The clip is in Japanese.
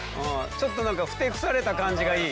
ちょっとふてくされた感じがいい。